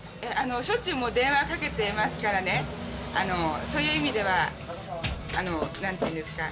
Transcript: しょっちゅう電話かけてますからねそういう意味では何ていうんですか